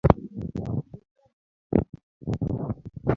Insuarans ma ka